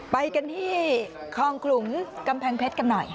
ไปกันที่คลองขลุงกำแพงเพชรกันหน่อย